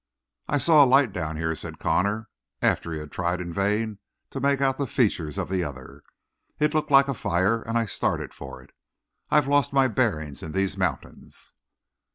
"I saw a light down here," said Connor, after he had tried in vain to make out the features of the other. "It looked like a fire, and I started for it; I've lost my bearing in these mountains."